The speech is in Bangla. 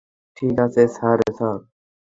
ঠিক আছে, স্যার -স্যার?